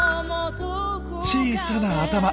小さな頭。